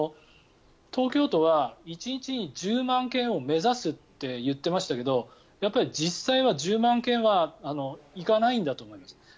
東京都は１日に１０万件を目指すって言っていましたけどやっぱり実際は１０万件はいかないんだと思います。